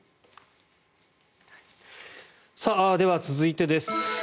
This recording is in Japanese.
では、続いてです。